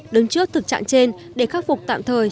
đứng trước thực trạng trên để khắc phục tạm thời